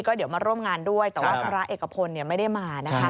ก็เดี๋ยวมาร่วมงานด้วยแต่ว่าพระเอกพลไม่ได้มานะคะ